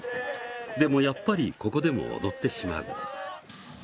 でもやっぱりここでも踊ってしまう。